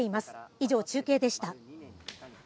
以上、中継でした。